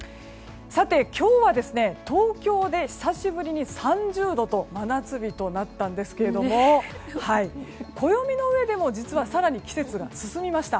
今日は東京で久しぶりに３０度と真夏日となったんですが暦の上でも更に季節が進みました。